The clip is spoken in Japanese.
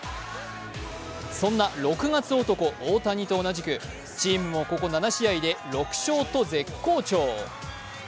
そんな６月男・大谷と同じくチームもここ７試合で６勝と絶好調。